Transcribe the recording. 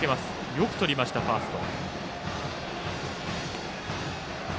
よくとりました、ファースト。